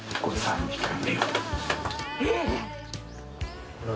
えっ！？